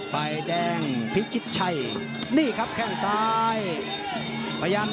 ไฟแดงพิชิตชัยนี่ครับแค่งซ้าย